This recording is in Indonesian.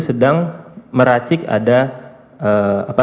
sedang meracik ada